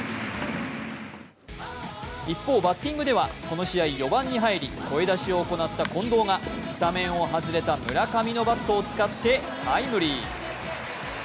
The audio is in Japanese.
一方、バッティングではこの試合４番に入り声出しを行った近藤がスタメンを外れた村上のバットを使ってタイムリー。